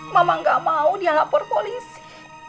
mama gak mau dia lapor polisi